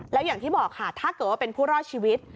แล้วอย่างที่บอกค่ะถ้าเกิดว่าเป็นผู้รอดชีวิต